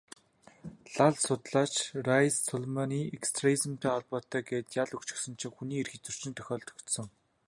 Лал судлаач Райс Сулеймановыг экстремизмтэй холбоотой гээд ял өгчихсөн чинь хүний эрхийг зөрчсөнд тооцогдсон.